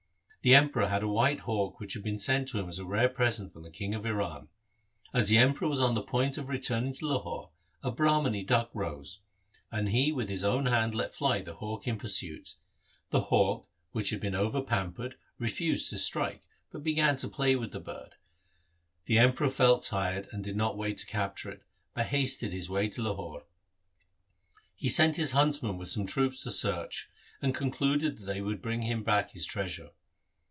The Emperor had a white hawk which had been sent him as a rare present from the King of Iran. As the Emperor was on the point of returning to Lahore, a Brahmani duck rose, and he with his own hand let fly the hawk in pursuit. The hawk which had been over pampered refused to strike, but began to play with the bird. The Emperor felt tired and did not wait to capture it, but hasted on his way to Lahore. He sent his huntsmen with some troops to search, and concluded that they would bring him back his treasure.